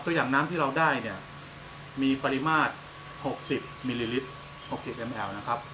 ตัวอย่างน้ำที่เราได้มีปริมาตรหกสิบมิลลิลิตรหกสิบอมแอลนะครับ